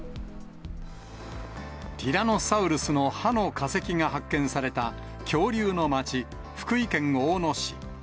ティラノサウルスの歯の化石が発見された、恐竜のまち、福井県大野市。